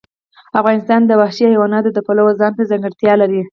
افغانستان د وحشي حیوانات د پلوه ځانته ځانګړتیا لري.